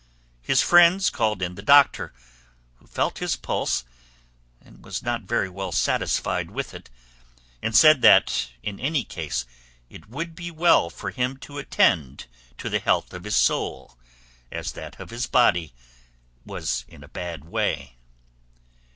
His friends called in the doctor, who felt his pulse and was not very well satisfied with it, and said that in any case it would be well for him to attend to the health of his soul, as that of his body was in a bad way.